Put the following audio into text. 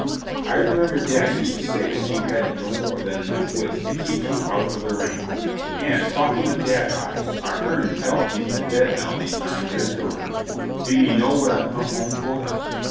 I remember dad used to say that you hadn't no more than enough wits to keep you out of the rain. And, talking of dad, Hi, I hearn tell he's been dead now these nine years gone. D'ye know what I've come home for?"